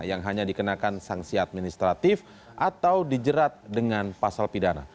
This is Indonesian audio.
menggunakan sanksi administratif atau dijerat dengan pasal pidana